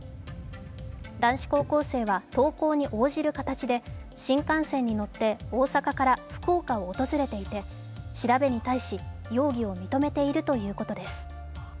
男子高校生は投稿に応じる形で新幹線に乗って大阪から福岡を訪れていて調べに対し容疑を認めているということです。